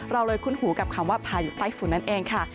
เราเลยคุ้นหูกับคำว่าพายุใต้ฝุ่นนั่นเองค่ะ